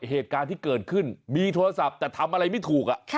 เหตุการณ์ที่เกิดขึ้นมีโทรศัพท์แต่ทำอะไรไม่ถูก